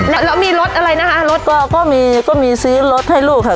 แล้วมีรถอะไรนะคะรถก็มีก็มีซื้อรถให้ลูกค่ะ